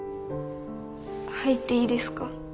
入っていいですか？